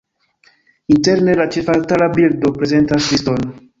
Interne la ĉefaltara bildo prezentas Kriston.